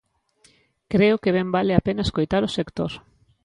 Creo que ben vale a pena escoitar o sector.